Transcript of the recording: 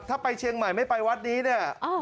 ถ้าไปเชียงใหม่ไม่ไปวัดนี้เนี่ย